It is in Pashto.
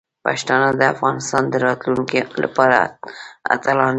پښتانه د افغانستان د راتلونکي لپاره اتلان دي.